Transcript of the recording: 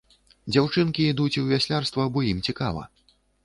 Дзяўчынкі ідуць у вяслярства, бо ім цікава.